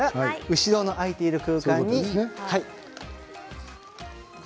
後ろの空いている空間に。